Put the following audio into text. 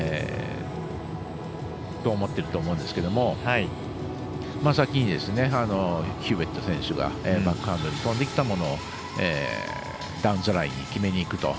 そう思ってると思うんですけど先にヒューウェット選手がバックハンドに飛んできたものをダウンザラインに決めにいくと。